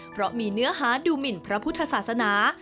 เพราะมีเนื้อหาดูหมินพระพุทธศาสนา